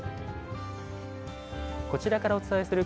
こちらからお伝えする